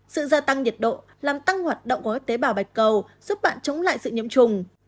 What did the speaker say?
sự gia tăng nhiệt độ làm tăng hoạt động của các tế bào bạch cầu giúp bạn chống lại sự nhiễm trùng